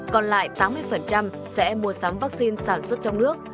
còn lại tám mươi sẽ mua sắm vaccine sản xuất trong nước